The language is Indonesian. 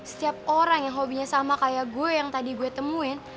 setiap orang yang hobinya sama kayak gue yang tadi gue temuin